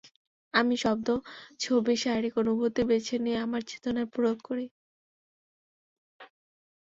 আমি শব্দ, ছবি, শারীরিক অনুভূতি বেছে নিয়ে আমার চেতনায় প্রয়োগ করি।